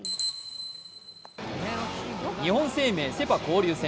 日本生命セ・パ交流戦。